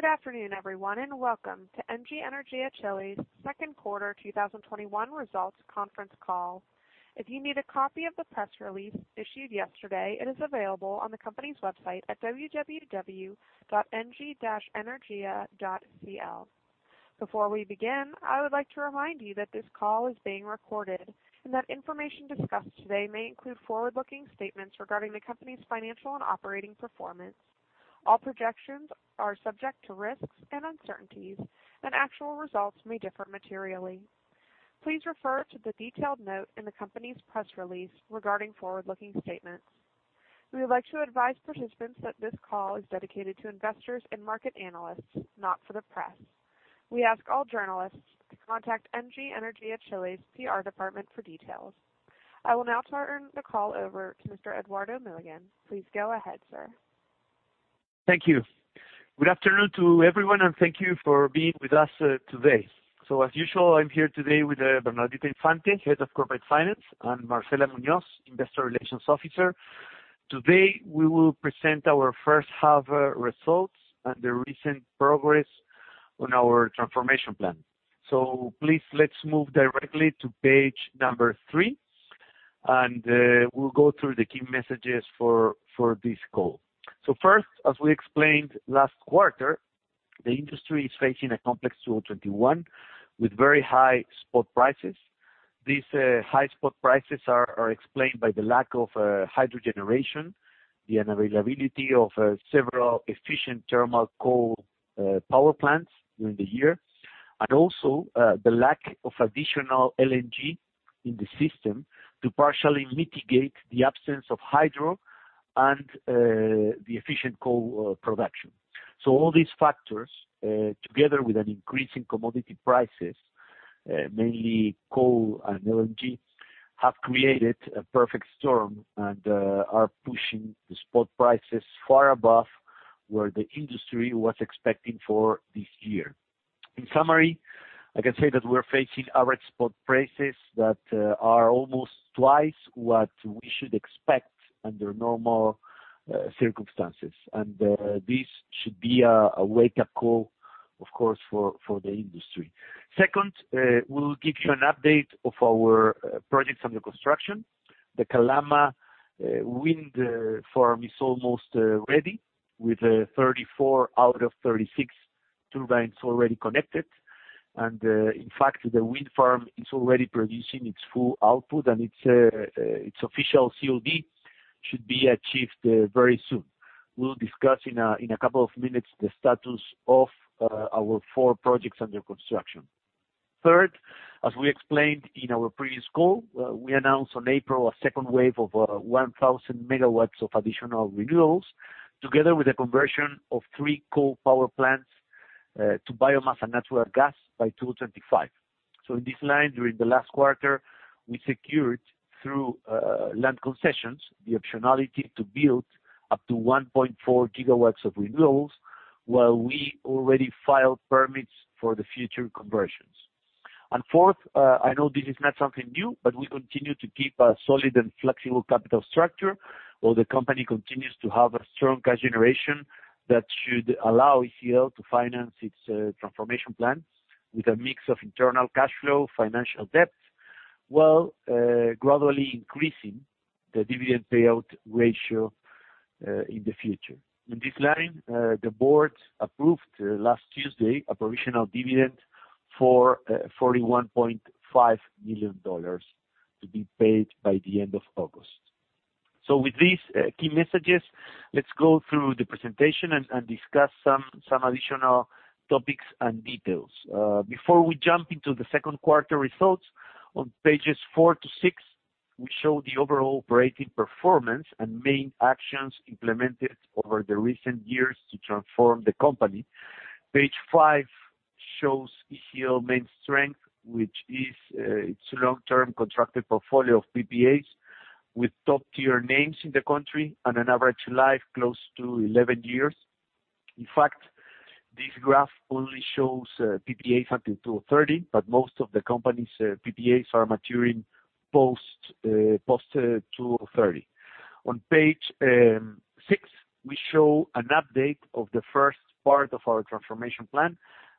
Good afternoon, everyone, and welcome to Engie Energia Chile's second quarter 2021 results conference call. If you need a copy of the press release issued yesterday, it is available on the company's website at www.engie-energia.cl. Before we begin, I would like to remind you that this call is being recorded and that information discussed today may include forward-looking statements regarding the company's financial and operating performance. All projections are subject to risks and uncertainties, actual results may differ materially. Please refer to the detailed note in the company's press release regarding forward-looking statements. We would like to advise participants that this call is dedicated to investors and market analysts, not for the press. We ask all journalists to contact Engie Energia Chile's PR department for details. I will now turn the call over to Mr. Eduardo Milligan. Please go ahead, sir. Thank you. Good afternoon to everyone, and thank you for being with us today. As usual, I'm here today with Bernardita Infante, Head of Corporate Finance, and Marcela Muñoz, Investor Relations Officer. Today, we will present our first half results and the recent progress on our transformation plan. Please, let's move directly to page number three, and we'll go through the key messages for this call. First, as we explained last quarter, the industry is facing a complex 2021 with very high spot prices. These high spot prices are explained by the lack of hydro generation, the unavailability of several efficient thermal coal power plants during the year, and also the lack of additional LNG in the system to partially mitigate the absence of hydro and the efficient coal production. All these factors, together with an increase in commodity prices, mainly coal and LNG, have created a perfect storm and are pushing the spot prices far above where the industry was expecting for this year. In summary, I can say that we're facing average spot prices that are almost twice what we should expect under normal circumstances, and this should be a wake-up call, of course, for the industry. Second, we'll give you an update of our projects under construction. The Calama Wind Farm is almost ready, with 34 out of 36 turbines already connected. In fact, the wind farm is already producing its full output, and its official COD should be achieved very soon. We'll discuss in a couple of minutes the status of our four projects under construction. Third, as we explained in our previous call, we announced on April a second wave of 1,000 MW of additional renewables, together with a conversion of three coal power plants to biomass and natural gas by 2025. In this line, during the last quarter, we secured, through land concessions, the optionality to build up to 1.4 GW of renewables, while we already filed permits for the future conversions. Fourth, I know this is not something new, but we continue to keep a solid and flexible capital structure, while the company continues to have a strong cash generation that should allow ECL to finance its transformation plans with a mix of internal cash flow, financial debt, while gradually increasing the dividend payout ratio in the future. In this line, the board approved last Tuesday, a provisional dividend for $41.5 million to be paid by the end of August. With these key messages, let's go through the presentation and discuss some additional topics and details. Before we jump into the second quarter results, on pages four to six, we show the overall operating performance and main actions implemented over the recent years to transform the company. Page five shows ECL's main strength, which is its long-term contracted portfolio of PPAs, with top-tier names in the country and an average life close to 11 years. In fact, this graph only shows PPAs up until 2030, but most of the company's PPAs are maturing post-2030. On page six, we show an update of the first part of our transformation plan.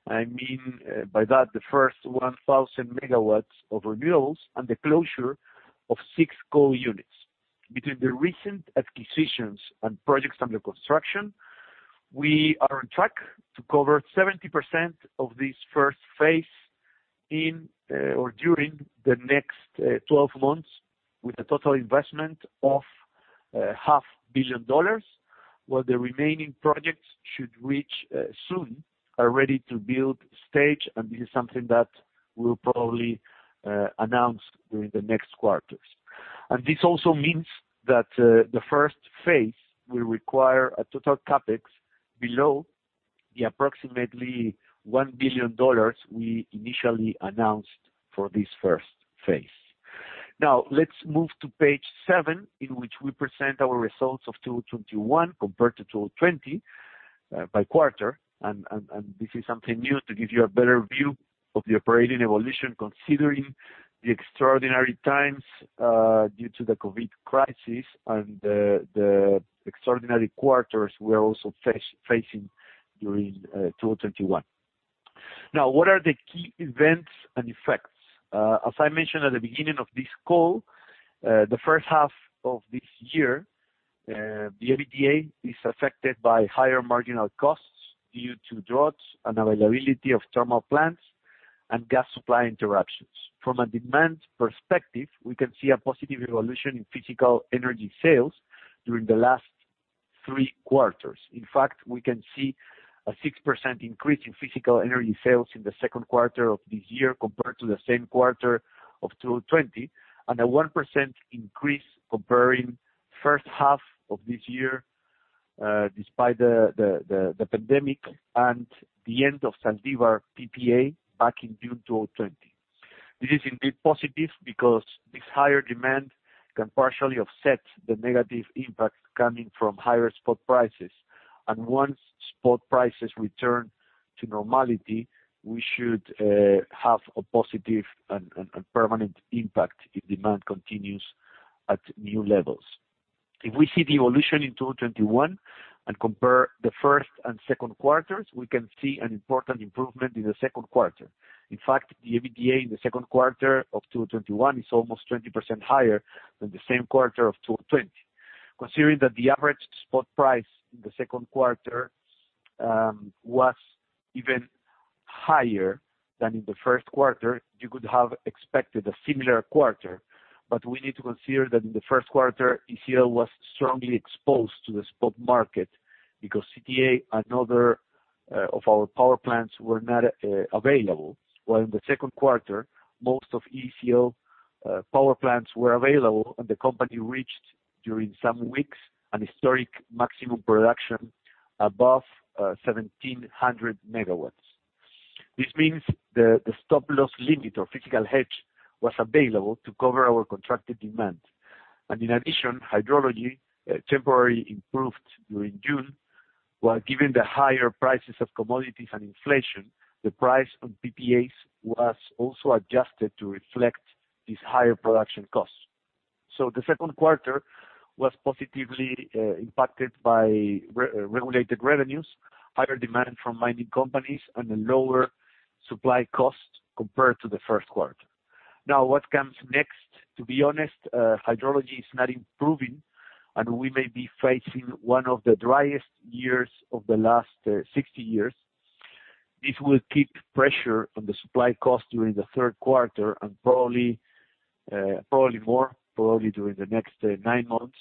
I mean by that, the first 1,000 MW of renewables and the closure of six coal units. Between the recent acquisitions and projects under construction, we are on track to cover 70% of this first phase in or during the next 12 months with a total investment of $500 million, while the remaining projects should reach soon a ready-to-build stage. This is something that we'll probably announce during the next quarters. This also means that the first phase will require a total CapEx below the approximately $1 billion we initially announced for this first phase. Let's move to page seven, in which we present our results of 2021 compared to 2020 by quarter. This is something new to give you a better view of the operating evolution, considering the extraordinary times due to the COVID crisis and the extraordinary quarters we are also facing during 2021. What are the key events and effects? As I mentioned at the beginning of this call, the first half of this year, the EBITDA is affected by higher marginal costs due to droughts, unavailability of thermal plants, and gas supply interruptions. From a demand perspective, we can see a positive evolution in physical energy sales during the last three quarters. In fact, we can see a 6% increase in physical energy sales in the second quarter of this year compared to the same quarter of 2020, and a 1% increase comparing first half of this year, despite the pandemic and the end of Zaldívar PPA back in June 2020. This is indeed positive because this higher demand can partially offset the negative impact coming from higher spot prices. Once spot prices return to normality, we should have a positive and permanent impact if demand continues at new levels. If we see the evolution in 2021 and compare the first and second quarters, we can see an important improvement in the second quarter. In fact, the EBITDA in the second quarter of 2021 is almost 20% higher than the same quarter of 2020. Considering that the average spot price in the second quarter was even higher than in the first quarter, you could have expected a similar quarter. We need to consider that in the first quarter, ECL was strongly exposed to the spot market because CTA, another of our power plants, were not available. While in the second quarter, most of ECL power plants were available, and the company reached, during some weeks, an historic maximum production above 1,700 MW. This means the stop-loss limit or physical hedge was available to cover our contracted demand. In addition, hydrology temporarily improved during June, while giving the higher prices of commodities and inflation, the price on PPAs was also adjusted to reflect these higher production costs. The second quarter was positively impacted by regulated revenues, higher demand from mining companies, and a lower supply cost compared to the first quarter. What comes next? To be honest, hydrology is not improving, and we may be facing one of the driest years of the last 60 years. This will keep pressure on the supply cost during the third quarter and probably more, probably during the next nine months.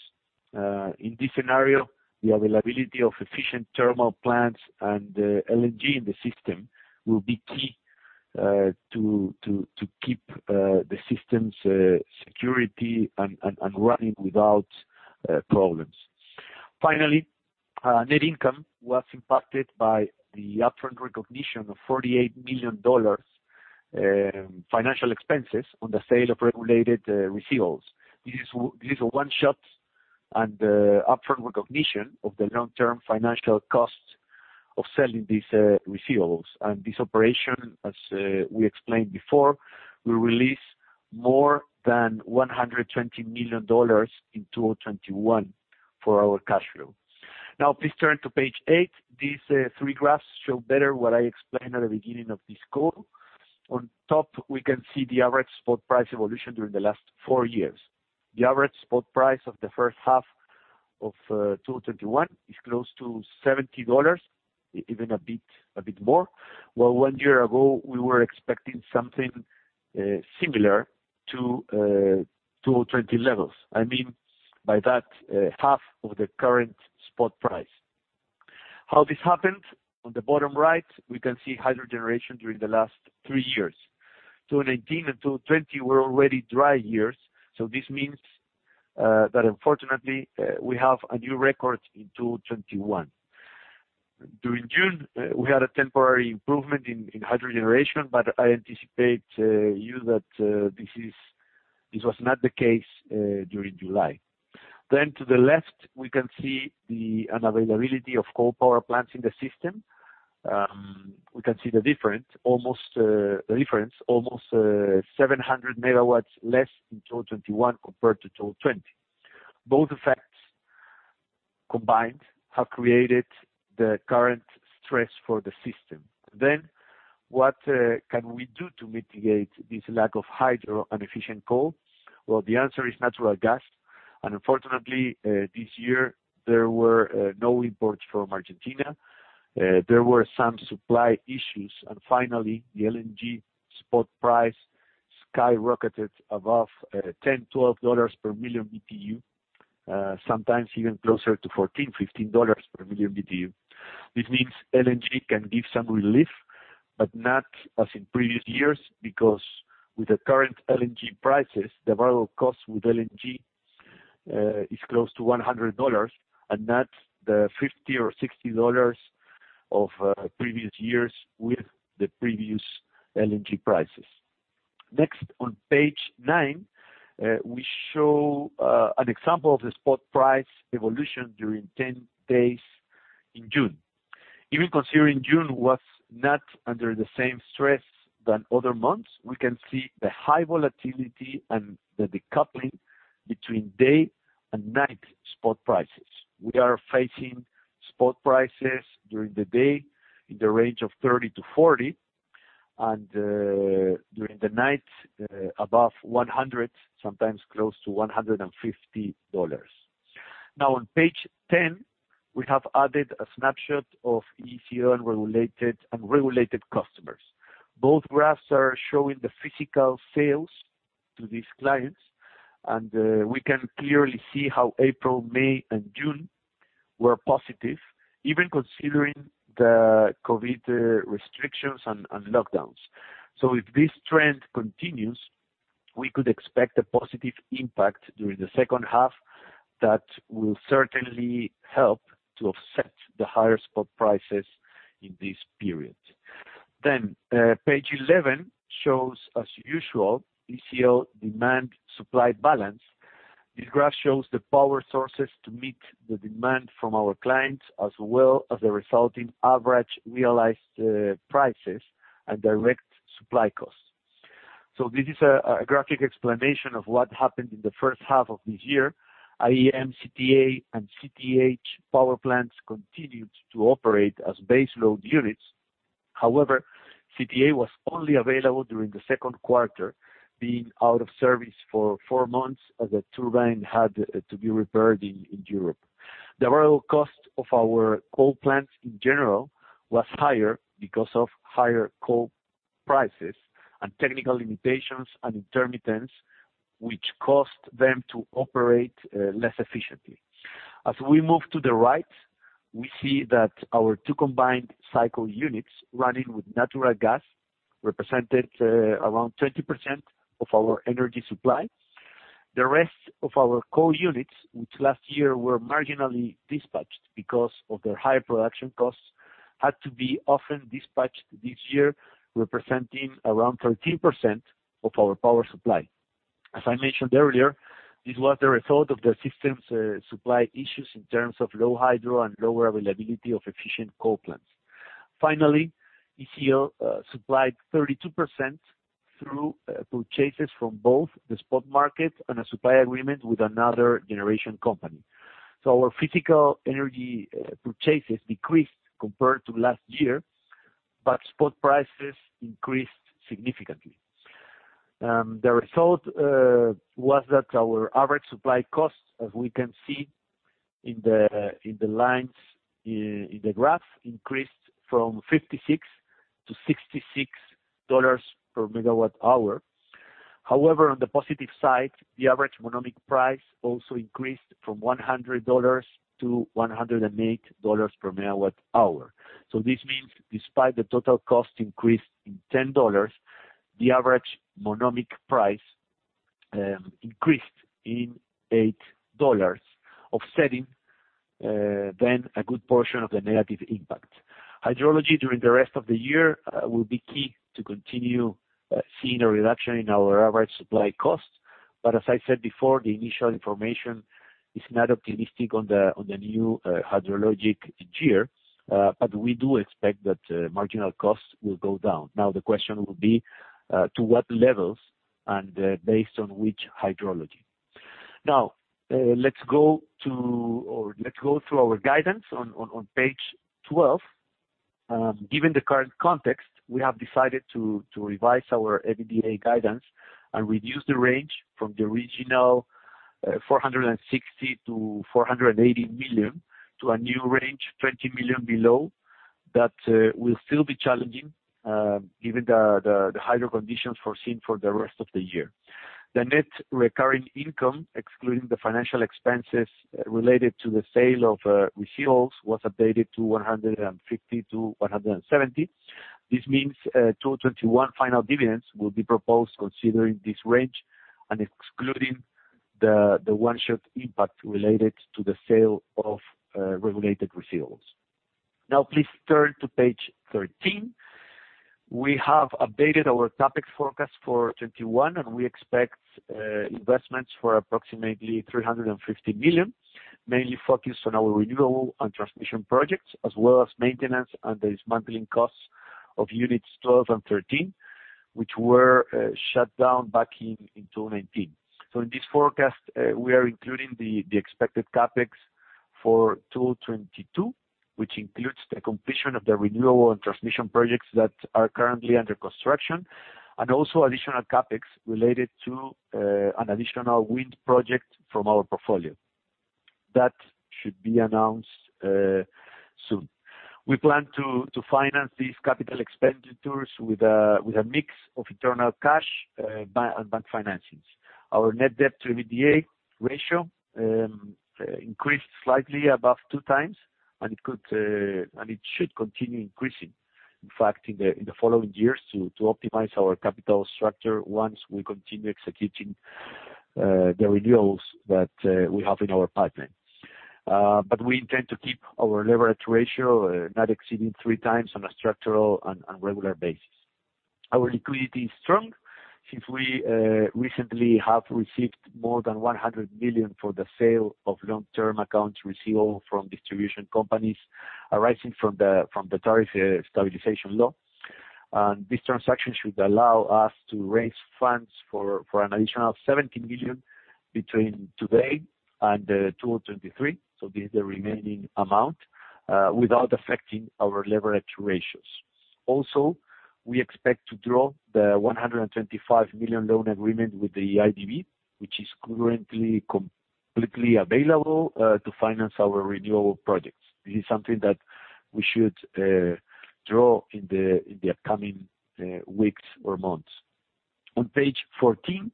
In this scenario, the availability of efficient thermal plants and LNG in the system will be key to keep the system's security and running without problems. Finally, net income was impacted by the upfront recognition of $48 million financial expenses on the sale of regulated receivables. This is a one-shot and upfront recognition of the long-term financial cost of selling these receivables. This operation, as we explained before, will release more than $120 million in 2021 for our cash flow. Please turn to page eight. These three graphs show better what I explained at the beginning of this call. On top, we can see the average spot price evolution during the last four years. The average spot price of the first half of 2021 is close to $70, even a bit more. One year ago, we were expecting something similar to 2020 levels. I mean, by that, half of the current spot price. How this happened? On the bottom right, we can see hydro generation during the last three years. 2019 and 2020 were already dry years. This means that unfortunately, we have a new record in 2021. During June, we had a temporary improvement in hydro generation. I anticipate you that this was not the case during July. To the left, we can see the unavailability of coal power plants in the system. We can see the difference, almost 700 MW less in 2021 compared to 2020. Both effects combined have created the current stress for the system. What can we do to mitigate this lack of hydro and efficient coal? Well, the answer is natural gas. Unfortunately, this year, there were no imports from Argentina. There were some supply issues, and finally, the LNG spot price skyrocketed above $10, $12 per million BTU, sometimes even closer to $14, $15 per million BTU. This means LNG can give some relief, but not as in previous years, because with the current LNG prices, the variable cost with LNG is close to $100, and not the $50 or $60 of previous years with the previous LNG prices. On page nine, we show an example of the spot price evolution during 10 days in June. Even considering June was not under the same stress than other months, we can see the high volatility and the decoupling between day and night spot prices. We are facing spot prices during the day in the range of $30-$40, and during the night, above $100, sometimes close to $150. On page 10, we have added a snapshot of ECL and regulated customers. Both graphs are showing the physical sales to these clients, and we can clearly see how April, May, and June were positive, even considering the COVID restrictions and lockdowns. If this trend continues, we could expect a positive impact during the second half that will certainly help to offset the higher spot prices in this period. Page 11 shows, as usual, ECL demand-supply balance. This graph shows the power sources to meet the demand from our clients, as well as the resulting average realized prices and direct supply costs. This is a graphic explanation of what happened in the first half of this year, i.e., CTA and CTH power plants continued to operate as base load units. However, CTA was only available during the second quarter, being out of service for four months as a turbine had to be repaired in Europe. The overall cost of our coal plants, in general, was higher because of higher coal prices and technical limitations and intermittence, which caused them to operate less efficiently. As we move to the right, we see that our two combined cycle units running with natural gas represented around 20% of our energy supply. The rest of our core units, which last year were marginally dispatched because of their higher production costs, had to be often dispatched this year, representing around 13% of our power supply. As I mentioned earlier, this was the result of the system's supply issues in terms of low hydro and lower availability of efficient coal plants. Finally, ECL supplied 32% through purchases from both the spot market and a supply agreement with another generation company. Our physical energy purchases decreased compared to last year, but spot prices increased significantly. The result was that our average supply cost, as we can see in the lines in the graph, increased from $56 to $66 per MWh. On the positive side, the average monomic price also increased from $100 to $108 per MWh. This means despite the total cost increase in $10, the average monomic price increased in $8, offsetting, then, a good portion of the negative impact. Hydrology during the rest of the year will be key to continue seeing a reduction in our average supply costs. As I said before, the initial information is not optimistic on the new hydrologic year. We do expect that marginal costs will go down. The question will be to what levels and based on which hydrology? Let's go through our guidance on page 12. Given the current context, we have decided to revise our EBITDA guidance and reduce the range from the original $460 million-$480 million to a new range, $20 million below. That will still be challenging, given the hydro conditions foreseen for the rest of the year. The net recurring income, excluding the financial expenses related to the sale of receivables, was updated to $150-$170. This means 2021 final dividends will be proposed considering this range and excluding the one-shot impact related to the sale of regulated receivables. Now, please turn to page 13. We have updated our CapEx forecast for 2021, and we expect investments for approximately $350 million, mainly focused on our renewable and transmission projects, as well as maintenance and the dismantling costs of units 12 and 13, which were shut down back in 2019. In this forecast, we are including the expected CapEx for 2022, which includes the completion of the renewable and transmission projects that are currently under construction, and also additional CapEx related to an additional wind project from our portfolio. That should be announced soon. We plan to finance these capital expenditures with a mix of internal cash, and bank financings. Our net debt to EBITDA ratio increased slightly above 2x, and it should continue increasing, in fact, in the following years to optimize our capital structure once we continue executing the renewals that we have in our pipeline. We intend to keep our leverage ratio not exceeding 3x on a structural and regular basis. Our liquidity is strong. Since we recently have received more than $100 million for the sale of long-term accounts receivable from distribution companies arising from the tariff stabilization law. This transaction should allow us to raise funds for an additional $17 million between today and 2023, so this is the remaining amount, without affecting our leverage ratios. We expect to draw the $125 million loan agreement with the IDB, which is currently completely available to finance our renewable projects. This is something that we should draw in the upcoming weeks or months. On page 14,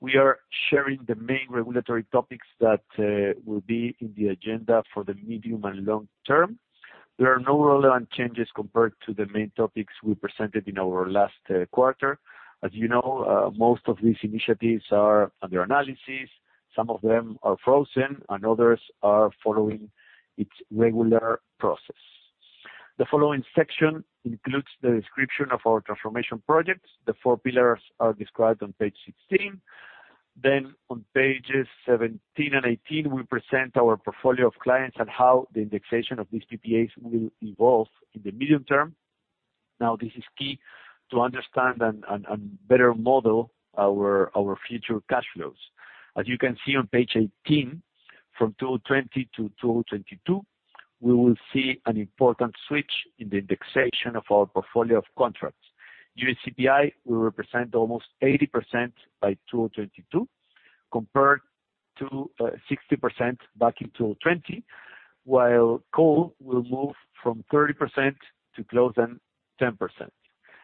we are sharing the main regulatory topics that will be in the agenda for the medium and long term. There are no relevant changes compared to the main topics we presented in our last quarter. As you know, most of these initiatives are under analysis. Some of them are frozen, others are following its regular process. The following section includes the description of our transformation projects. The 4 pillars are described on page 16. On pages 17 and 18, we present our portfolio of clients and how the indexation of these PPAs will evolve in the medium term. This is key to understand and better model our future cash flows. As you can see on page 18, from 2020 to 2022, we will see an important switch in the indexation of our portfolio of contracts. U.S. CPI will represent almost 80% by 2022 compared to 60% back in 2020, while coal will move from 30% to less than 10%.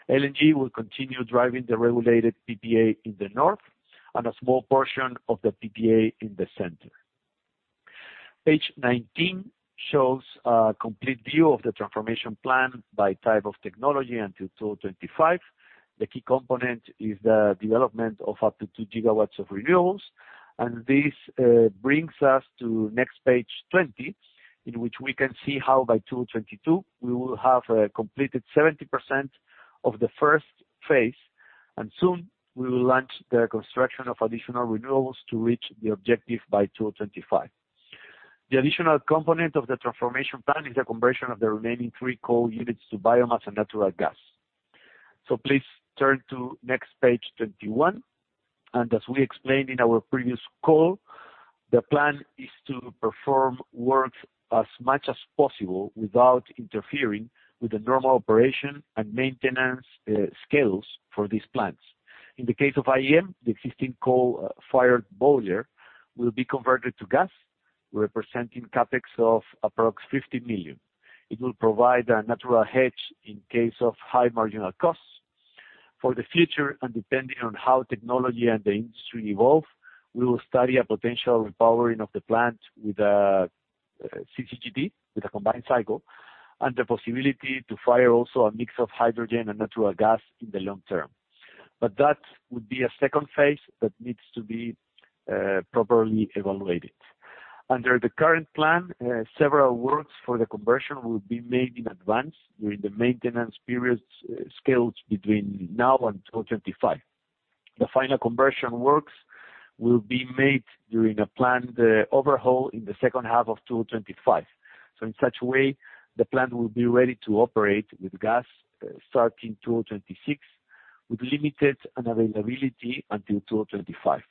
LNG will continue driving the regulated PPA in the north and a small portion of the PPA in the center. Page 19 shows a complete view of the transformation plan by type of technology until 2025. The key component is the development of up to 2 GW of renewables. This brings us to next page 20, in which we can see how by 2022, we will have completed 70% of the first phase. Soon we will launch the construction of additional renewables to reach the objective by 2025. The additional component of the transformation plan is the conversion of the remaining three coal units to biomass and natural gas. Please turn to next page 21. As we explained in our previous call, the plan is to perform work as much as possible without interfering with the normal operation and maintenance schedules for these plants. In the case of IEM, the existing coal-fired boiler will be converted to gas, representing CapEx of approx $50 million. It will provide a natural hedge in case of high marginal costs. Depending on how technology and the industry evolve, we will study a potential repowering of the plant with a CCGT, with a combined cycle, and the possibility to fire also a mix of hydrogen and natural gas in the long term. That would be a second phase that needs to be properly evaluated. Under the current plan, several works for the conversion will be made in advance during the maintenance periods scheduled between now and 2025. The final conversion works will be made during a planned overhaul in the second half of 2025. In such way, the plant will be ready to operate with gas starting 2026, with limited unavailability until 2025.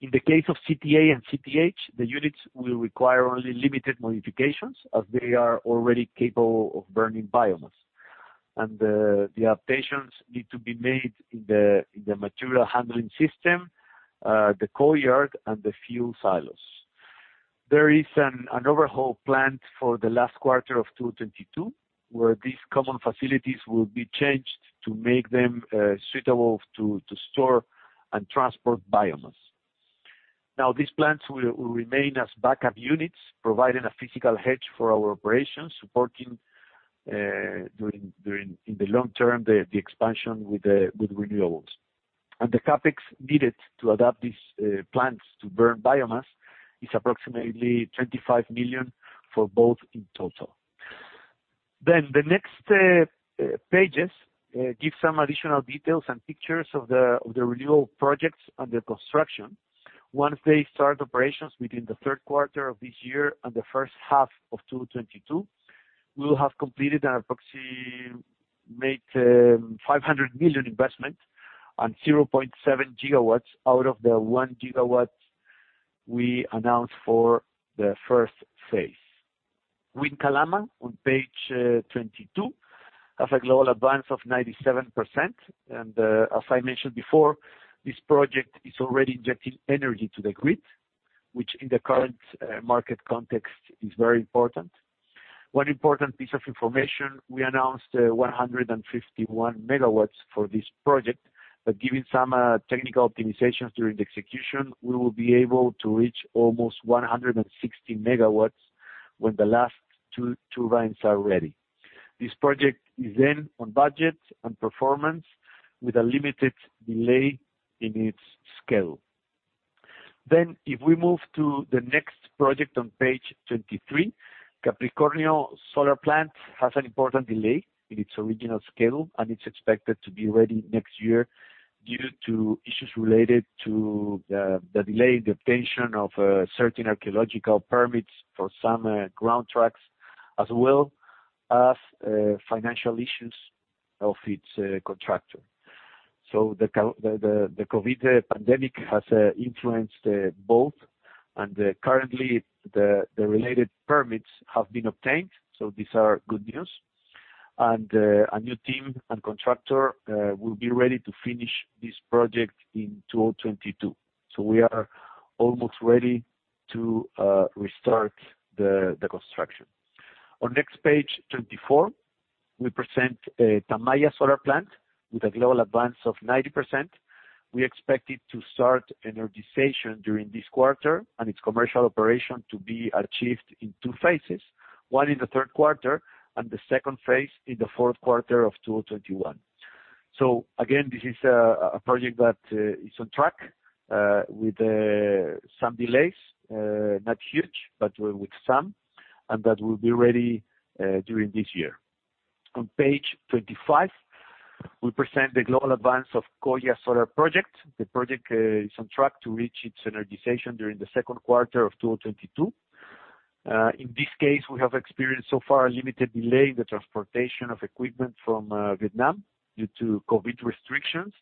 In the case of CTA and CTH, the units will require only limited modifications as they are already capable of burning biomass, and the adaptations need to be made in the material handling system, the courtyard, and the fuel silos. There is an overhaul planned for the last quarter of 2022, where these common facilities will be changed to make them suitable to store and transport biomass. These plants will remain as backup units, providing a physical hedge for our operations, supporting, in the long term, the expansion with renewables. The CapEx needed to adapt these plants to burn biomass is approximately $25 million for both in total. The next pages give some additional details and pictures of the renewal projects under construction. Once they start operations within the third quarter of this year and the first half of 2022, we will have completed an approximate $500 million investment and 0.7 GW out of the 1 GW we announced for the first phase. Wind Calama, on page 22, has a global advance of 97%, and as I mentioned before, this project is already injecting energy to the grid, which in the current market context is very important. One important piece of information, we announced 151 MW for this project, but given some technical optimizations during the execution, we will be able to reach almost 160 MW when the last two turbines are ready. This project is on budget, on performance, with a limited delay in its schedule. If we move to the next project on page 23, Capricornio Solar Plant has an important delay in its original schedule, and it's expected to be ready next year due to issues related to the delay in the obtainment of certain archeological permits for some ground tracks, as well as financial issues of its contractor. The COVID pandemic has influenced both, and currently, the related permits have been obtained, so these are good news. A new team and contractor will be ready to finish this project in 2022. We are almost ready to restart the construction. On next page, 24, we present Tamaya Solar Plant with a global advance of 90%. We expect it to start energization during this quarter, and its commercial operation to be achieved in two phases, one in the third quarter and the second phase in the fourth quarter of 2021. Again, this is a project that is on track, with some delays, not huge, but with some, and that will be ready during this year. On page 25, we present the global advance of Coya Solar Project. The project is on track to reach its energization during the second quarter of 2022. In this case, we have experienced so far a limited delay in the transportation of equipment from Vietnam due to COVID restrictions.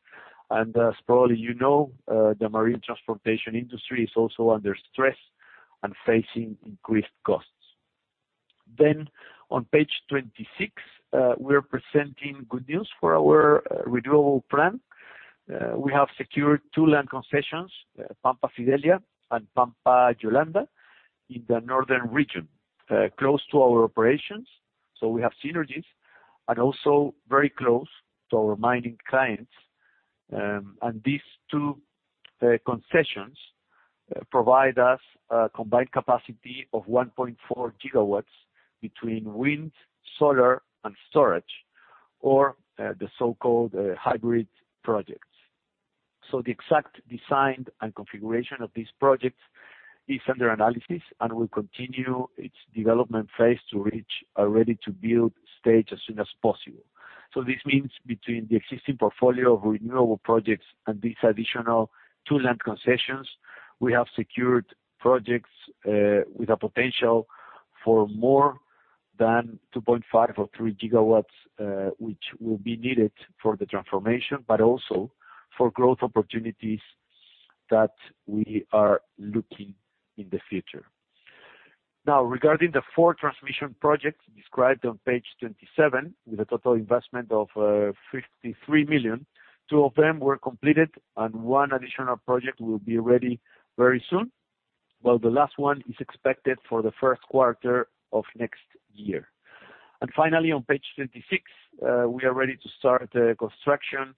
As probably you know, the marine transportation industry is also under stress and facing increased costs. On page 26, we're presenting good news for our renewable plan. We have secured two land concessions, Pampa Fidelia and Pampa Yolanda, in the northern region, close to our operations, so we have synergies, and also very close to our mining clients. These two concessions provide us a combined capacity of 1.4 GW between wind, solar, and storage, or the so-called hybrid projects. The exact design and configuration of these projects is under analysis and will continue its development phase to reach a ready-to-build stage as soon as possible. This means between the existing portfolio of renewable projects and these additional two land concessions, we have secured projects with a potential for more than 2.5 GW or 3 GW, which will be needed for the transformation, but also for growth opportunities that we are looking in the future. Now, regarding the four transmission projects described on page 27, with a total investment of $53 million, two of them were completed and one additional project will be ready very soon, while the last one is expected for the first quarter of next year. Finally, on page 26, we are ready to start construction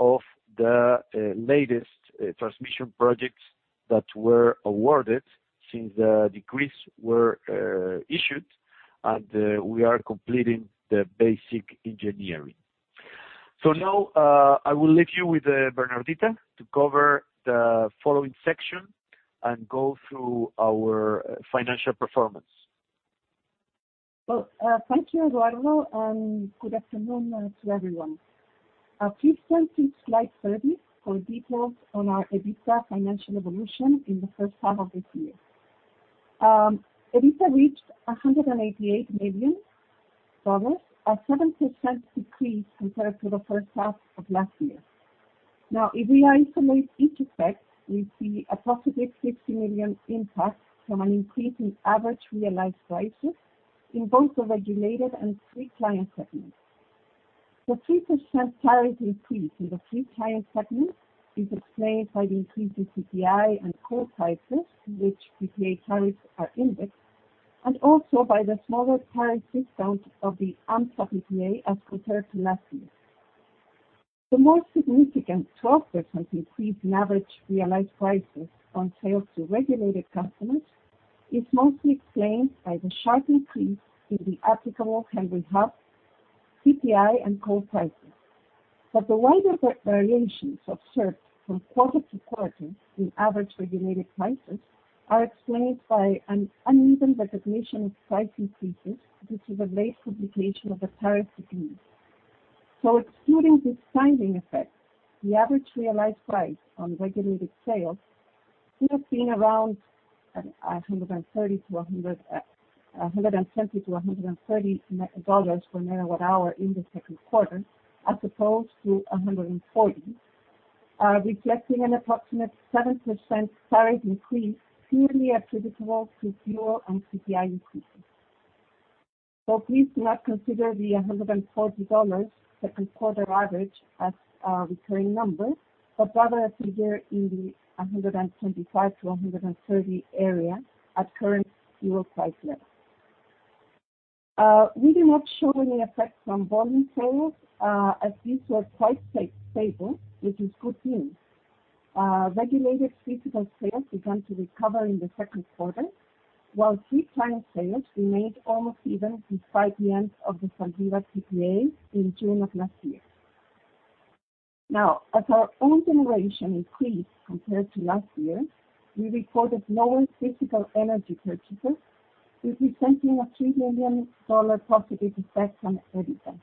of the latest transmission projects that were awarded since the decrees were issued, and we are completing the basic engineering. Now, I will leave you with Bernardita to cover the following section and go through our financial performance. Well, thank you, Eduardo, and good afternoon to everyone. Please turn to slide 30 for details on our EBITDA financial evolution in the first half of this year. EBITDA reached $188 million, a 7% decrease compared to the first half of last year. If we isolate each effect, we see approximate $60 million impact from an increase in average realized prices in both the regulated and free client segments. The 3% tariff increase in the free client segment is explained by the increase in CPI and coal prices, to which PPA tariffs are indexed, and also by the smaller tariff discount of the AMSA PPA as compared to last year. The more significant 12% increase in average realized prices on sales to regulated customers is mostly explained by the sharp increase in the applicable Henry Hub, CPI, and coal prices. The wider variations observed from quarter to quarter in average regulated prices are explained by an uneven recognition of price increases, due to the late publication of the tariff decrease. Excluding this timing effect, the average realized price on regulated sales would have been around $120-$130 per MWh in the second quarter, as opposed to $140, reflecting an approximate 7% tariff increase clearly attributable to fuel and CPI increases. Please do not consider the $140 second quarter average as a recurring number, but rather a figure in the $125-$130 area at current fuel price levels. We do not show any effect from volume sales, as these were quite stable, which is good news. Regulated physical sales began to recover in the second quarter, while free client sales remained almost even despite the end of the Zandivar PPA in June of last year. As our own generation increased compared to last year, we reported lower physical energy purchases, which is sending a $3 million positive effect on EBITDA.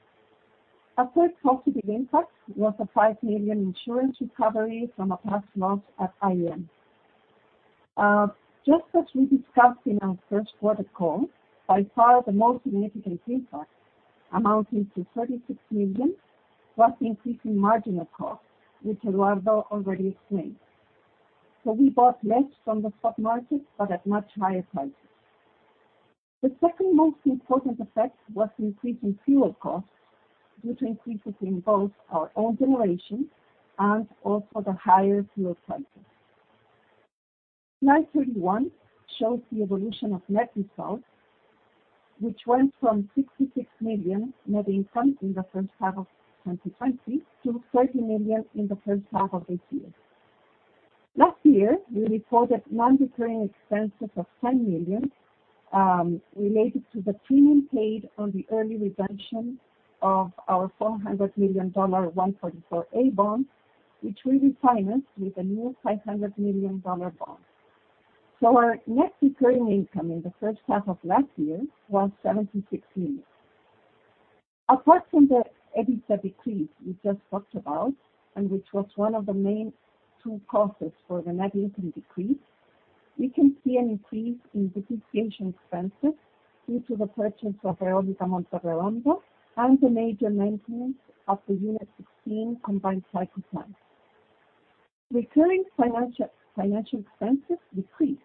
A third positive impact was a $5 million insurance recovery from a past loss at IEM. Just as we discussed in our first quarter call, by far the most significant impact, amounting to $36 million, was increasing marginal cost, which Eduardo already explained. We bought less from the stock market, but at much higher prices. The second most important effect was increasing fuel costs due to increases in both our own generation and also the higher fuel prices. Slide 31 shows the evolution of net results, which went from $66 million net income in the first half of 2020 to $30 million in the first half of this year. Last year, we reported non-recurring expenses of $10 million related to the premium paid on the early redemption of our $400 million 144A bond, which we refinanced with a new $500 million bond. Our net recurring income in the first half of last year was $76 million. Apart from the EBITDA decrease we just talked about, and which was one of the main two causes for the net income decrease, we can see an increase in depreciation expenses due to the purchase of Eólica Monte Redondo and the major maintenance of the Unit 16 combined cycle plant. Recurring financial expenses decreased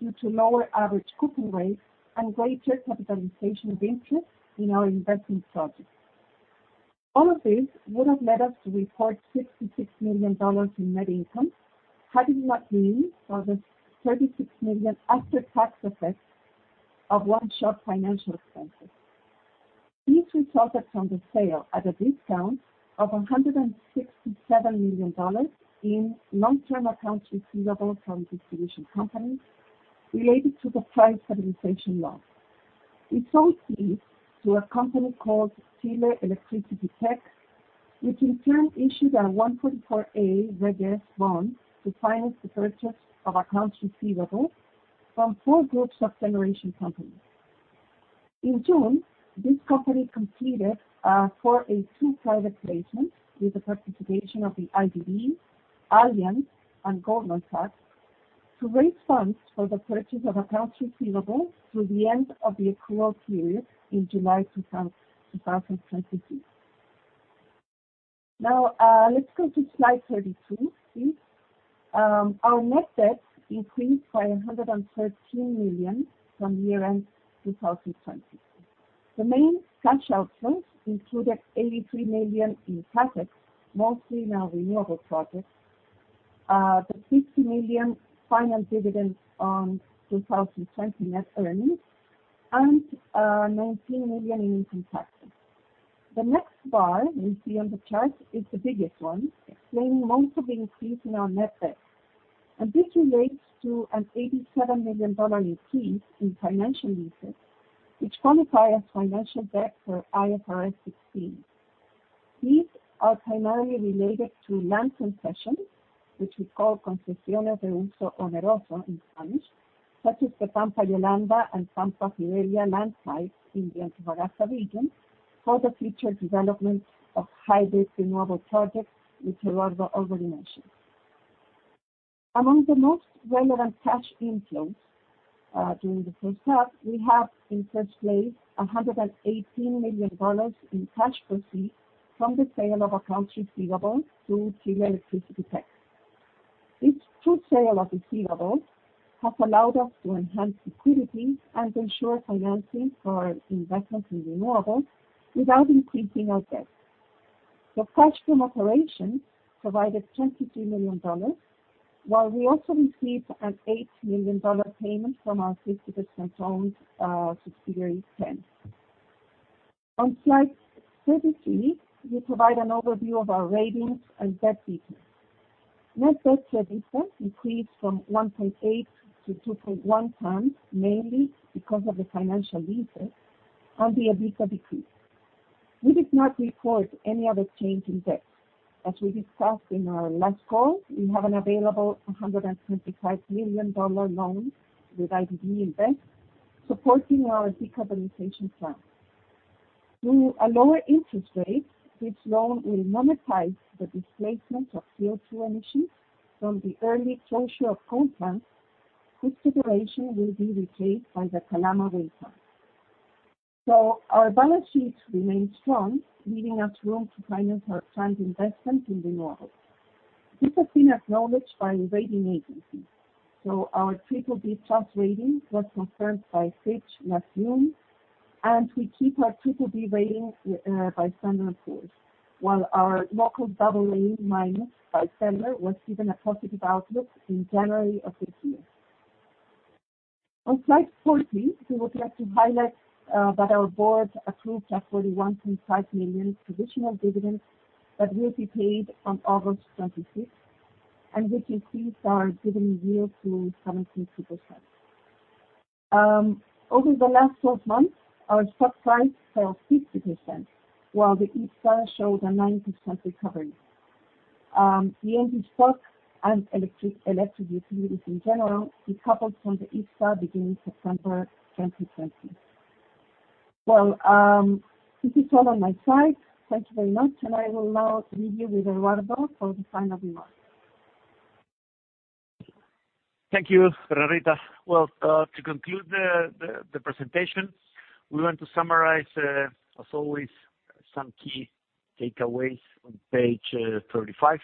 due to lower average coupon rates and greater capitalization of interest in our investment projects. All of this would have led us to report $66 million in net income, had it not been for the $36 million after-tax effect of one-shot financial expenses. These resulted from the sale, at a discount, of $167 million in long-term accounts receivable from distribution companies related to the price stabilization law. We sold these to a company called Chile Electricity PEC SpA, which in turn issued a 144A/Reg S bond to finance the purchase of accounts receivable from four groups of generation companies. In June, this company completed 4(a)(2) private placement with the participation of the IDB, Allianz, and Goldman Sachs, to raise funds for the purchase of accounts receivable through the end of the accrual period in July 2022. let's go to slide 32, please. Our net debt increased by $113 million from year-end 2020. The main cash outflows included $83 million in CapEx, mostly in our renewable projects, the $50 million final dividend on 2020 net earnings, and $19 million in income taxes. The next bar we see on the chart is the biggest one, explaining most of the increase in our net debt. This relates to an $87 million increase in financial leases, which qualify as financial debt for IFRS 16. These are primarily related to land concessions, which we call concesiones de uso oneroso in Spanish, such as the Pampa Fidelia and Pampa Iberia land sites in the Antofagasta region, for the future development of hybrid renewable projects, which Eduardo already mentioned. Among the most relevant cash inflows during the first half, we have in first place, $118 million in cash proceeds from the sale of accounts receivable to Chile Electricity PEC SpA. This true sale of receivables has allowed us to enhance liquidity and ensure financing for our investments in renewables without increasing our debt. The cash from operations provided $23 million, while we also received an $8 million payment from our 50%-owned subsidiary, TEN. On slide 33, we provide an overview of our ratings and debt details. Net debt to EBITDA increased from 1.8x to 2.1x, mainly because of the financial leases and the EBITDA decrease. We did not report any other change in debt. As we discussed in our last call, we have an available $125 million loan with IDB Invest supporting our decarbonization plan. Through a lower interest rate, this loan will monetize the displacement of CO2 emissions from the early closure of coal plants, whose generation will be replaced by the Calama Wind Farm. Our balance sheet remains strong, leaving us room to finance our planned investment in renewables. This has been acknowledged by rating agencies. Our BBB+ rating was confirmed by Fitch last June, and we keep our BBB rating by Standard & Poor's, while our local AA- by Feller Rate was given a positive outlook in January of this year. On slide 40, we would like to highlight that our board approved a $41.5 million traditional dividend that will be paid on August 26th, and which increases our dividend yield to 17.5%. Over the last 12 months, our stock price fell 50%, while the IPSA showed a 9% recovery. The Engie stock and electric utilities in general decoupled from the IPSA beginning September 2020. Well, this is all on my side. Thank you very much, and I will now leave you with Eduardo for the final remarks. Thank you, Bernardita. To conclude the presentation, we want to summarize, as always, some key takeaways on page 35.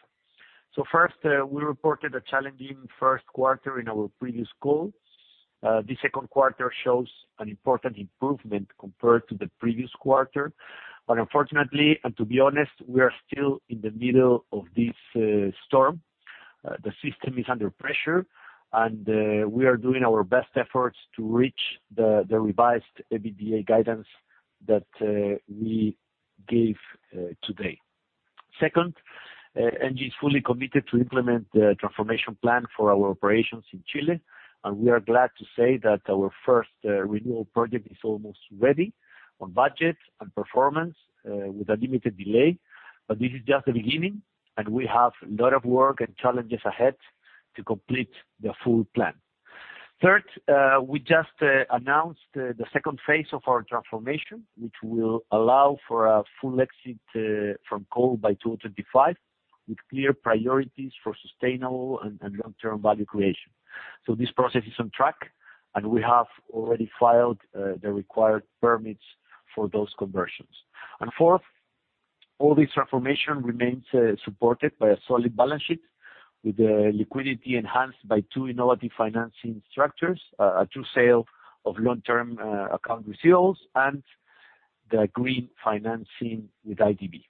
First, we reported a challenging first quarter in our previous call. The second quarter shows an important improvement compared to the previous quarter. Unfortunately, and to be honest, we are still in the middle of this storm. The system is under pressure, and we are doing our best efforts to reach the revised EBITDA guidance that we gave today. Second, Engie is fully committed to implement the transformation plan for our operations in Chile, and we are glad to say that our first renewal project is almost ready on budget and performance, with a limited delay. This is just the beginning, and we have a lot of work and challenges ahead to complete the full plan. We just announced the second phase of our transformation, which will allow for a full exit from coal by 2025, with clear priorities for sustainable and long-term value creation. This process is on track, and we have already filed the required permits for those conversions. All this transformation remains supported by a solid balance sheet, with liquidity enhanced by two innovative financing structures: a true sale of long-term account receivables and the green financing with IDB.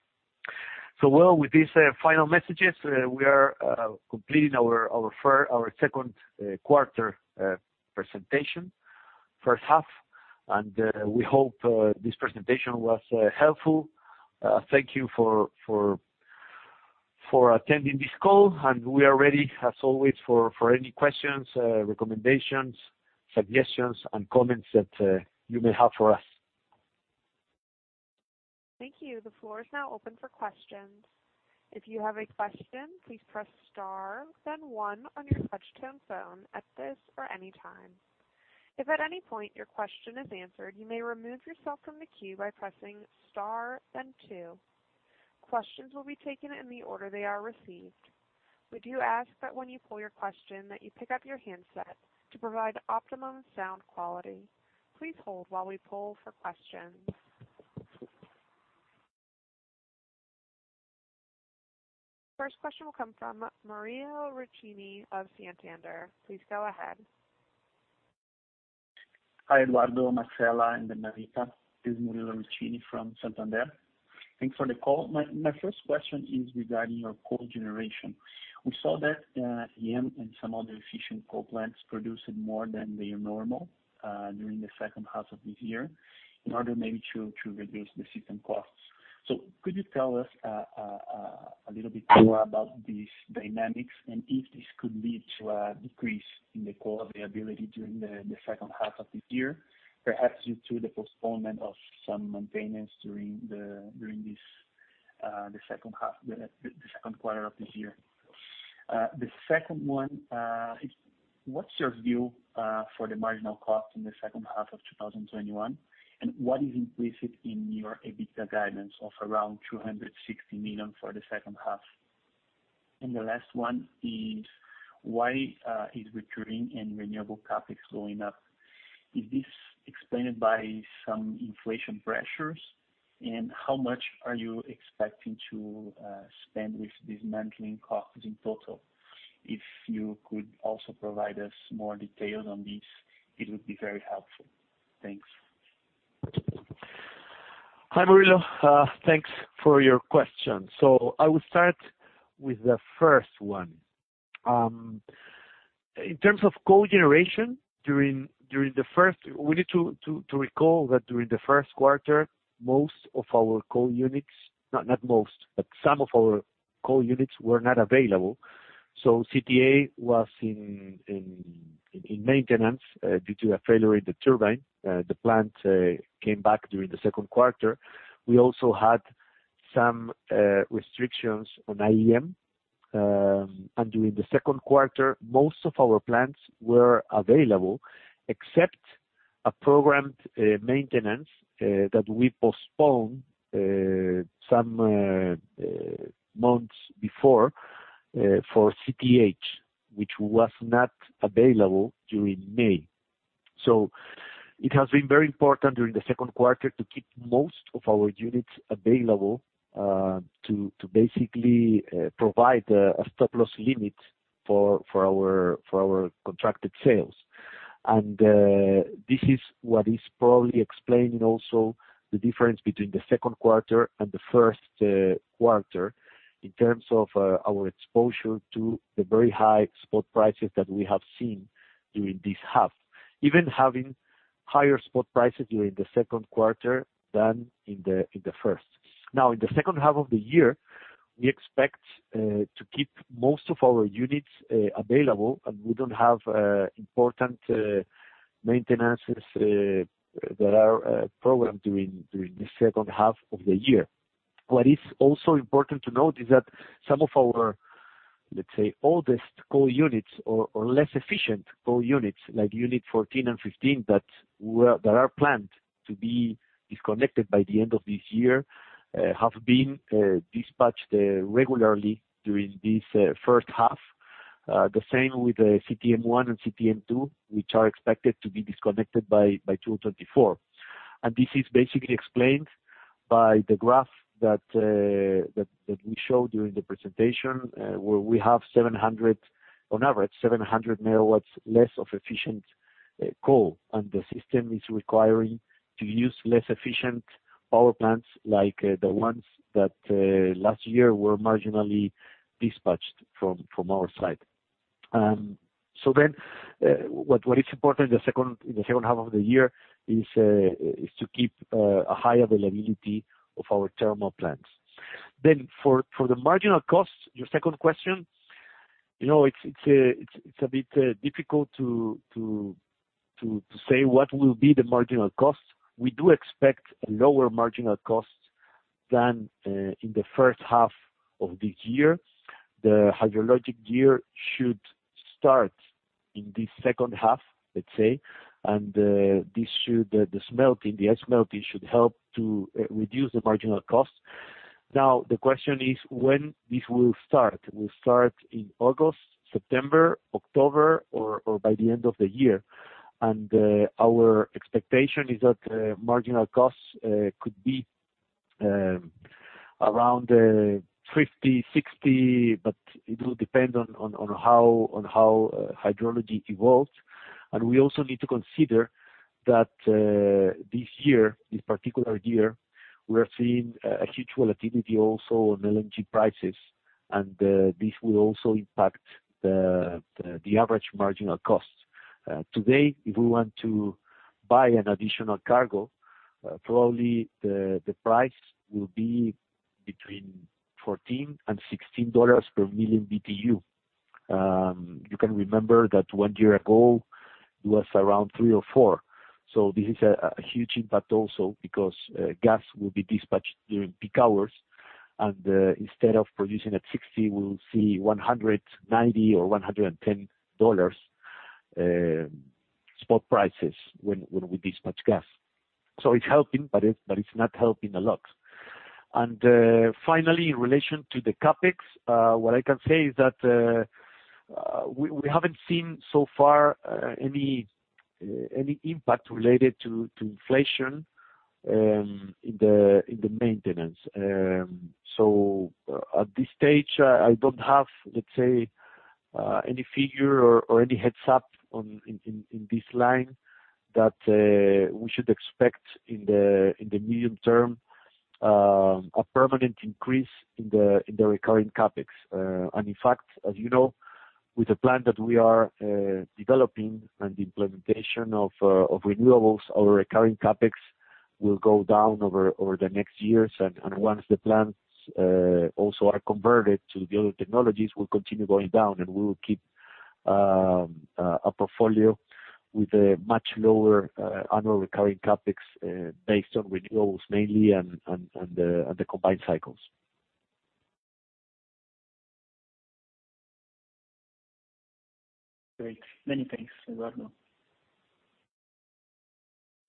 With these final messages, we are completing our second quarter presentation, first half, and we hope this presentation was helpful. Thank you for attending this call, and we are ready, as always, for any questions, recommendations, suggestions, and comments that you may have for us. Thank you. The floor is now open for questions. Questions will be taken in the order they are received. We do ask that when you pull your question, that you pick up your handset to provide optimum sound quality. First question will come from Murilo Riccini of Santander. Please go ahead. Hi, Eduardo, Marcela, and Bernardita. This is Murilo Riccini from Santander. Thanks for the call. My first question is regarding your coal generation. We saw that IEM and some other efficient coal plants producing more than their normal during the second half of this year in order maybe to reduce the system costs. Could you tell us a little bit more about these dynamics and if this could lead to a decrease in the coal availability during the second half of this year, perhaps due to the postponement of some maintenance during the second quarter of this year? The second one is, what's your view for the marginal cost in the second half of 2021, and what is implicit in your EBITDA guidance of around $260 million for the second half? The last one is, why is retiring and renewable CapEx going up? Is this explained by some inflation pressures, and how much are you expecting to spend with dismantling costs in total? If you could also provide us more details on this, it would be very helpful. Thanks. Hi, Murilo. Thanks for your question. I will start with the first one. In terms of coal generation, we need to recall that during the first quarter, not most, but some of our coal units were not available. CTA was in maintenance due to a failure in the turbine. The plant came back during the second quarter. We also had some restrictions on IEM. During the second quarter, most of our plants were available except a programmed maintenance that we postponed some months before for CTA, which was not available during May. It has been very important during the second quarter to keep most of our units available to basically provide a stop-loss limit for our contracted sales. This is what is probably explaining also the difference between the second quarter and the first quarter in terms of our exposure to the very high spot prices that we have seen during this half. Even having higher spot prices during the second quarter than in the first. In the second half of the year, we expect to keep most of our units available, and we don't have important maintenances that are programmed during the second half of the year. What is also important to note is that some of our, let's say, oldest coal units or less efficient coal units, like Unit 14 and 15, that are planned to be disconnected by the end of this year, have been dispatched regularly during this first half. The same with CTM1 and CTM2, which are expected to be disconnected by 2024. This is basically explained by the graph that we showed during the presentation, where we have on average 700 MW less of efficient coal, and the system is requiring to use less efficient power plants like the ones that last year were marginally dispatched from our side. What is important in the second half of the year is to keep a high availability of our thermal plants. For the marginal costs, your second question, it's a bit difficult to say what will be the marginal costs. We do expect a lower marginal cost than in the first half of this year. The hydrologic year should start in this second half, let's say, and the ice melting should help to reduce the marginal costs. The question is when this will start. Will it start in August, September, October, or by the end of the year? Our expectation is that marginal costs could be around $50, $60, but it will depend on how hydrology evolves. We also need to consider that this particular year, we are seeing a huge volatility also on LNG prices, and this will also impact the average marginal costs. Today, if we want to buy an additional cargo, probably the price will be between $14 and $16 per million BTU. You can remember that one year ago, it was around $3 or $4. This is a huge impact also because gas will be dispatched during peak hours, and instead of producing at $60, we will see $190 or $110 spot prices when we dispatch gas. It's helping, but it's not helping a lot. Finally, in relation to the CapEx, what I can say is that we haven't seen so far any impact related to inflation in the maintenance. At this stage, I don't have, let's say, any figure or any heads-up in this line that we should expect in the medium term, a permanent increase in the recurring CapEx. In fact, as you know, with the plan that we are developing and the implementation of renewables, our recurring CapEx will go down over the next years. Once the plants also are converted to the other technologies, will continue going down, and we will keep a portfolio with a much lower annual recurring CapEx based on renewables mainly and the combined cycles. Great. Many thanks, Eduardo.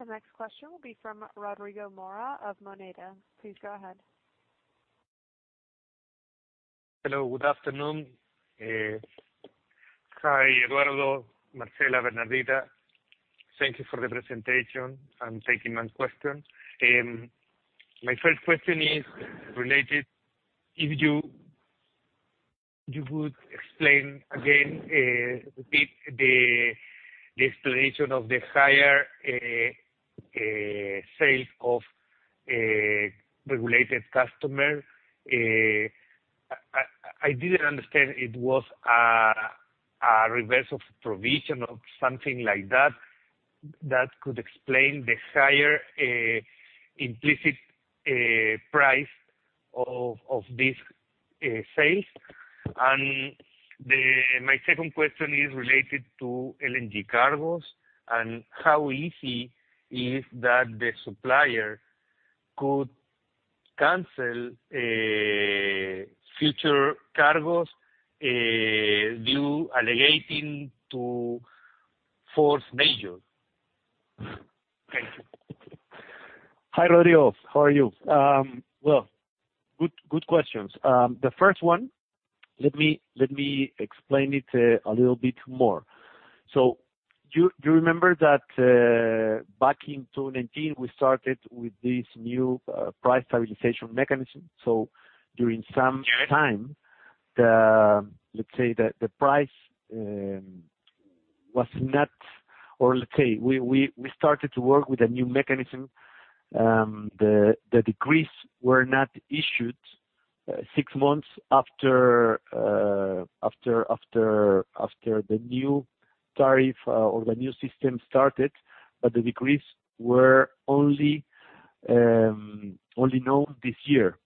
The next question will be from Rodrigo Mora of Moneda. Please go ahead. Hello, good afternoon. Hi, Eduardo, Marcela, Bernardita. Thank you for the presentation and taking my questions. My first question is related, if you would explain again, repeat the explanation of the higher sales of regulated customer. I didn't understand it was a reverse of provision of something like that could explain the higher implicit price of this sale. My second question is related to LNG cargoes and how easy is that the supplier could cancel future cargoes due alleging to force majeure? Thank you. Hi, Rodrigo. How are you? Well, good questions. The first one, let me explain it a little bit more. You remember that back in 2019, we started with this new price stabilization mechanism. During some time, let's say, we started to work with a new mechanism. The decrees were not issued six months after the new tariff or the new system started, but the decrees were only known this year.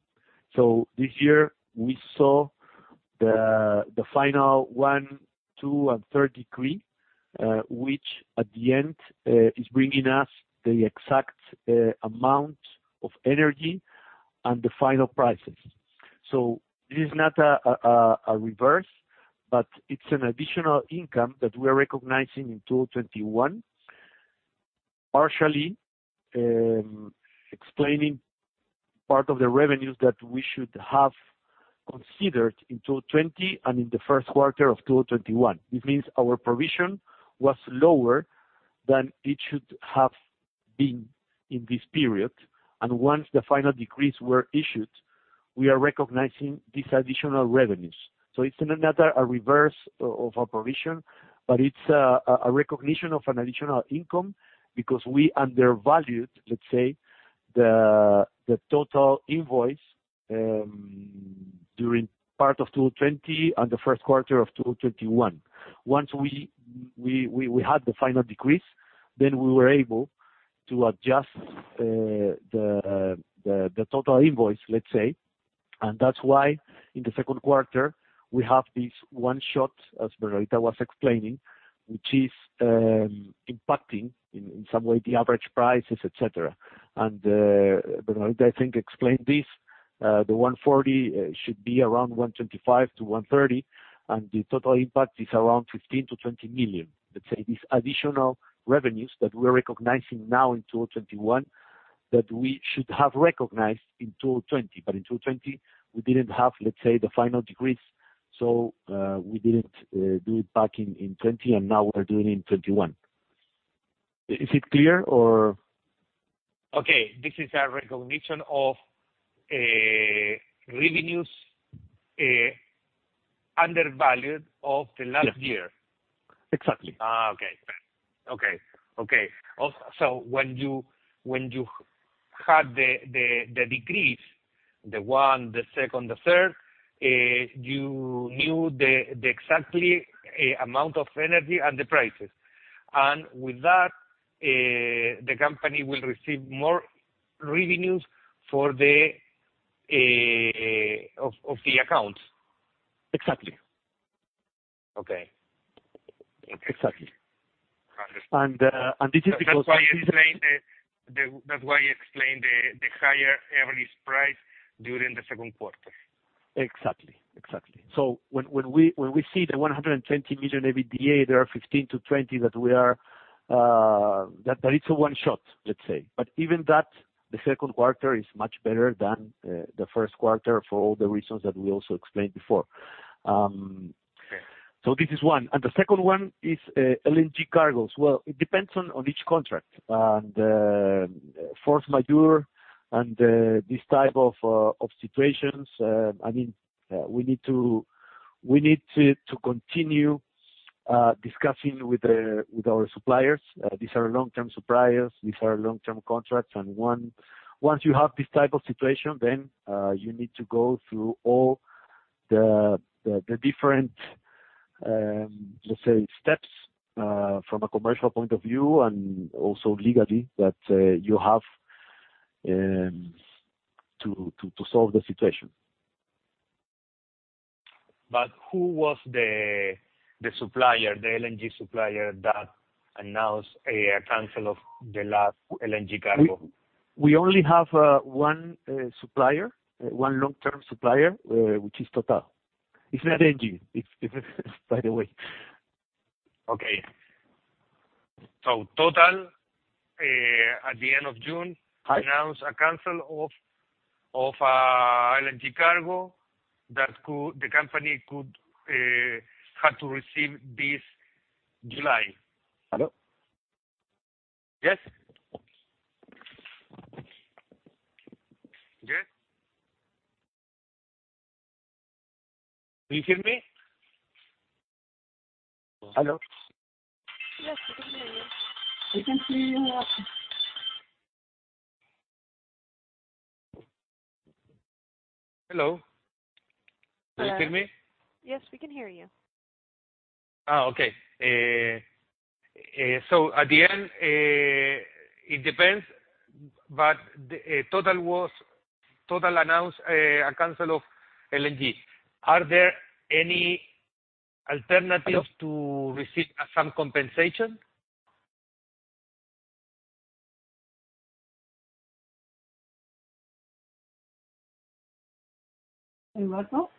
This year, we saw the final one, two, and third decree, which at the end, is bringing us the exact amount of energy and the final prices. It is not a reverse, but it is an additional income that we are recognizing in 2021, partially explaining part of the revenues that we should have considered in 2020 and in the first quarter of 2021. This means our provision was lower than it should have been in this period, and once the final decrees were issued, we are recognizing these additional revenues. It's not a reverse of a provision, but it's a recognition of an additional income, because we undervalued, let's say, the total invoice during part of 2020 and the first quarter of 2021. Once we had the final decrees, then we were able to adjust the total invoice, and that's why, in the second quarter, we have this one shot, as Bernardita was explaining, which is impacting, in some way, the average prices, et cetera. Bernardita, I think, explained this, the $140 should be around $125-$130, and the total impact is around $15 million-$20 million. These additional revenues that we're recognizing now in 2021, that we should have recognized in 2020. In 2020, we didn't have, let's say, the final decrees, so we didn't do it back in 2020, and now we're doing in 2021. Is it clear, or? Okay. This is a recognition of revenues undervalued of the last year. Yes. Exactly. Okay. When you had the decrees, the one, the second, the third, you knew the exact amount of energy and the prices, and with that, the company will receive more revenues of the accounts. Exactly. Okay. Exactly. That's why you explained the higher average price during the second quarter. Exactly. When we see the $120 million EBITDA, there are $15 million-$20 million that is a one shot, let's say. Even that, the second quarter is much better than the first quarter for all the reasons that we also explained before. Okay. This is one. The second one is LNG cargoes. It depends on each contract, and force majeure and this type of situations, we need to continue discussing with our suppliers. These are long-term suppliers. These are long-term contracts, once you have this type of situation, you need to go through all the different, let's say, steps, from a commercial point of view and also legally, that you have to solve the situation. Who was the supplier, the LNG supplier that announced a cancel of the last LNG cargo? We only have one supplier, one long-term supplier, which is TotalEnergies. It's not Engie, by the way. Okay. TotalEnergies, at the end of June. Hi announced a cancel of a LNG cargo that the company had to receive this July. Hello? Yes. Yes. Can you hear me? Hello. Yes, we can hear you. We can hear you. Hello. Can you hear me? Yes, we can hear you. Okay. At the end, it depends, but TotalEnergies announced a cancel of LNG. Are there any alternatives to receive some compensation? Eduardo? Eduardo, can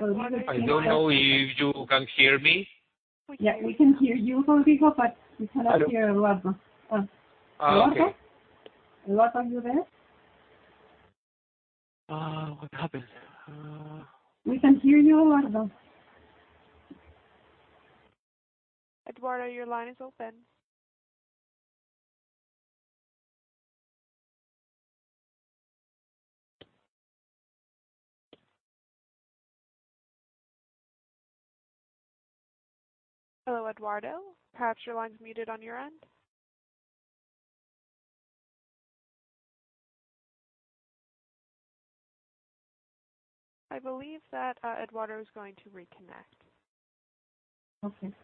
you hear us? I don't know if you can hear me. Yeah, we can hear you, Rodrigo, but we cannot hear Eduardo. Okay. Eduardo? Eduardo, are you there? What happened? We can hear you, Eduardo. Eduardo, your line is open. Hello, Eduardo. Perhaps your line's muted on your end. I believe that Eduardo is going to reconnect. Okay.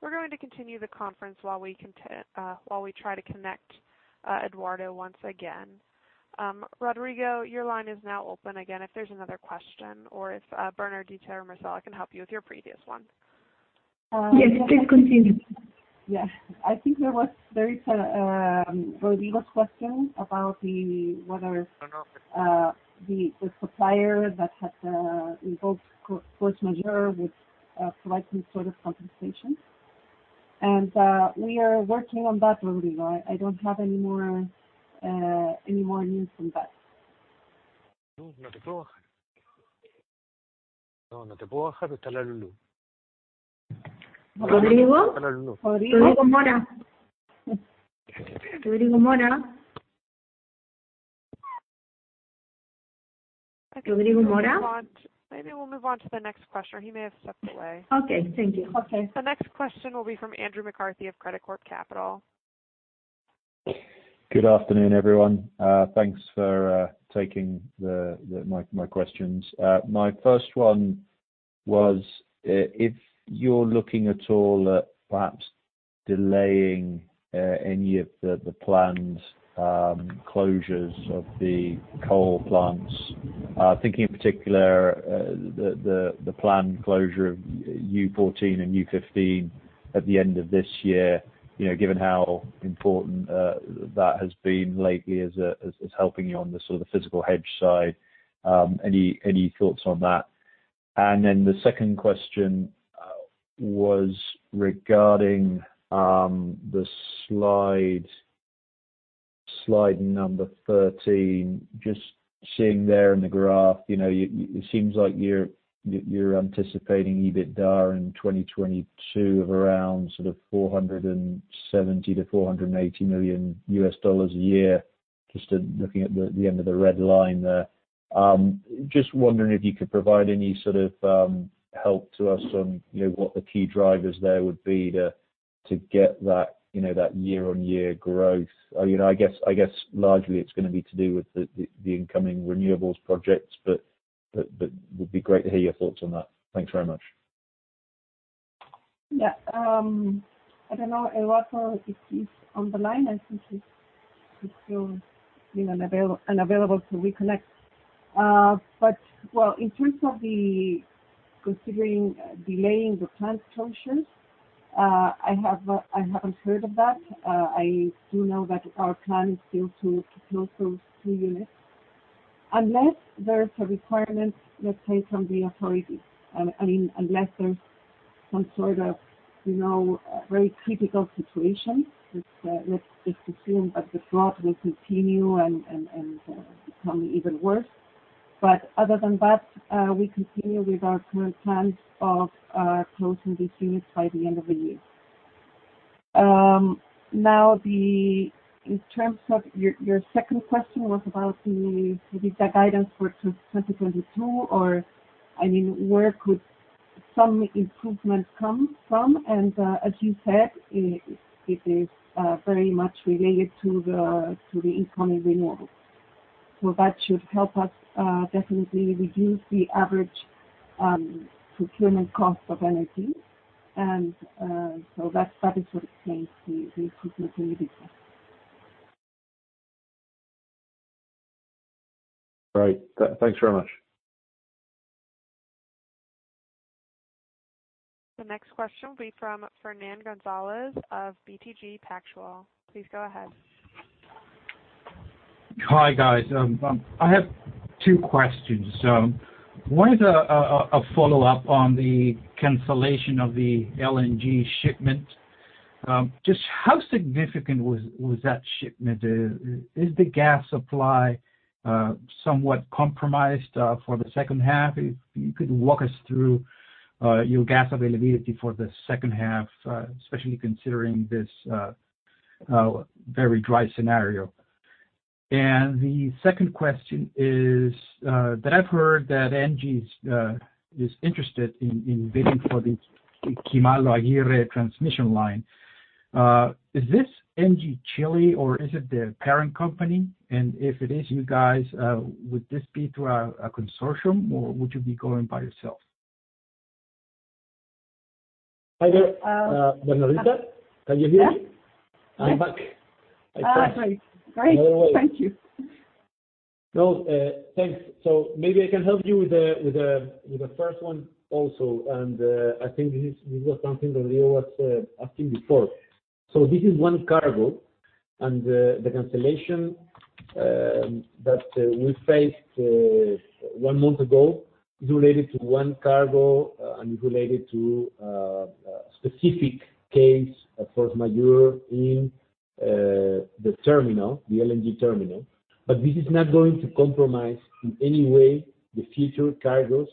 We're going to continue the conference while we try to connect Eduardo once again. Rodrigo, your line is now open again if there's another question, or if Bernardita or Marcela can help you with your previous one. Yes, please continue. Yes. I think there is Rodrigo's question about whether the supplier that had invoked force majeure would provide some sort of compensation. We are working on that, Rodrigo. I don't have any more news than that. I think maybe we'll move on to the next question, or he may have stepped away. Okay. Thank you. Okay. The next question will be from Andrew McCarthy of Credicorp Capital. Good afternoon, everyone. Thanks for taking my questions. My first one was, if you're looking at all at perhaps delaying any of the planned closures of the coal plants. Thinking in particular, the planned closure of U14 and U15 at the end of this year. Given how important that has been lately as helping you on the physical hedge side, any thoughts on that? The second question was regarding the slide number 13. Just seeing there in the graph, it seems like you're anticipating EBITDA in 2022 of around $470 million-$480 million a year, just looking at the end of the red line there. Just wondering if you could provide any help to us on what the key drivers there would be to get that year-on-year growth. I guess largely it's going to be to do with the incoming renewables projects, but it would be great to hear your thoughts on that. Thanks very much. Yeah. I don't know, Eduardo, if he's on the line. I think he's still unavailable to reconnect. Well, in terms of considering delaying the plant closures, I haven't heard of that. I do know that our plan is still to close those two units. Unless there's a requirement, let's say, from the authority, unless there's some sort of very critical situation, let's assume that the drought will continue and become even worse. Other than that, we continue with our current plans of closing these units by the end of the year. Now, in terms of your second question was about the EBITDA guidance for 2022, or where could some improvements come from. As you said, it is very much related to the incoming renewables. That should help us definitely reduce the average procurement cost of energy. That is what explains the improvement in EBITDA. Great. Thanks very much. The next question will be from Fernán González of BTG Pactual. Please go ahead. Hi, guys. I have two questions. One is a follow-up on the cancellation of the LNG shipment. Just how significant was that shipment? Is the gas supply somewhat compromised for the second half? If you could walk us through your gas availability for the second half, especially considering this very dry scenario. The second question is that I've heard that Engie is interested in bidding for the Kimal - Lo Aguirre transmission line. Is this Engie Chile, or is it the parent company? If it is you guys, would this be through a consortium, or would you be going by yourself? Hi there. Bernardita, can you hear me? Yes. I'm back. Great. By the way. Great. Thank you. No, thanks. Maybe I can help you with the first one also. I think this is something that Leo was asking before. This is one cargo. The cancellation that we faced one month ago is related to one cargo, related to a specific case of force majeure in the LNG terminal. This is not going to compromise, in any way, the future cargos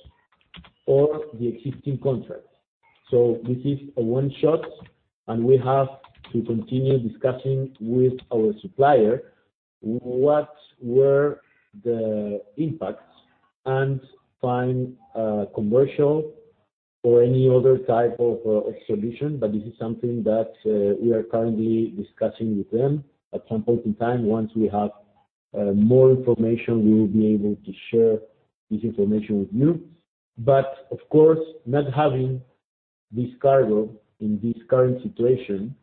or the existing contracts. This is a one-shot. We have to continue discussing with our supplier what were the impacts, find a commercial or any other type of solution. This is something that we are currently discussing with them. At some point in time, once we have more information, we will be able to share this information with you. Of course, not having this cargo in this current situation,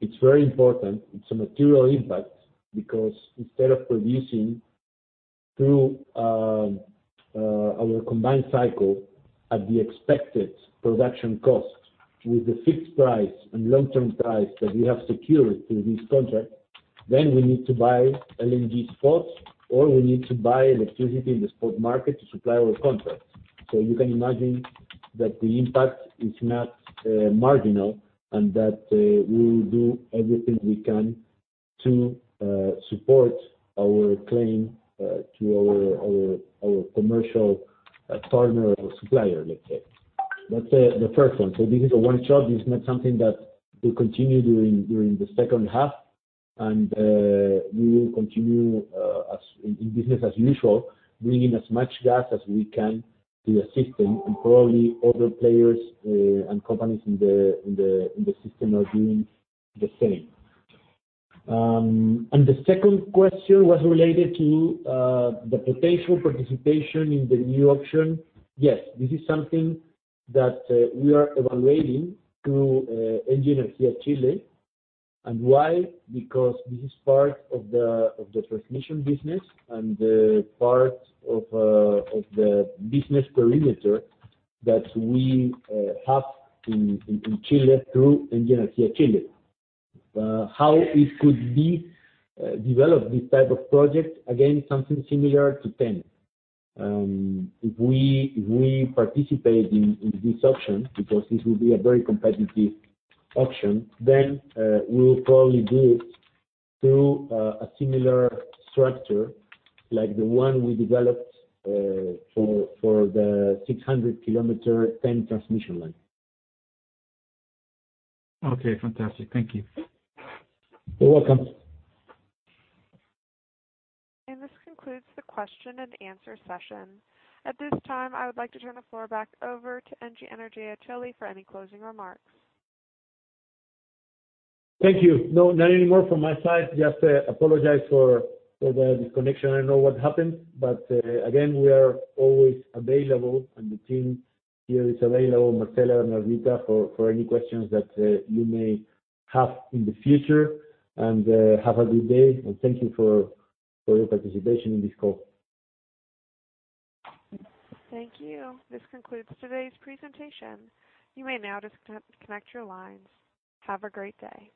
it's very important. It's a material impact, because instead of producing through our combined cycle at the expected production cost with the fixed price and long-term price that we have secured through this contract, then we need to buy LNG spots, or we need to buy electricity in the spot market to supply our contracts. You can imagine that the impact is not marginal, and that we will do everything we can to support our claim to our commercial partner or supplier, let's say. That's the first one. This is a one-shot. This is not something that will continue during the second half, and we will continue in business as usual, bringing as much gas as we can to the system, and probably other players and companies in the system are doing the same. The second question was related to the potential participation in the new auction. Yes, this is something that we are evaluating through Engie Energia Chile. Why? Because this is part of the transmission business, and part of the business perimeter that we have in Chile through Engie Energia Chile. How it could be developed, this type of project, again, something similar to TEN. If we participate in this auction, because this will be a very competitive auction, then we will probably do it through a similar structure like the one we developed for the 600 km TEN transmission line. Okay, fantastic. Thank you. You're welcome. This concludes the question and answer session. At this time, I would like to turn the floor back over to Engie Energia Chile for any closing remarks. Thank you. No, not anymore from my side. Just apologize for the disconnection. I don't know what happened, but, again, we are always available, and the team here is available, Marcela, Bernardita, for any questions that you may have in the future. Have a good day, and thank you for your participation in this call. Thank you. This concludes today's presentation. You may now disconnect your lines. Have a great day.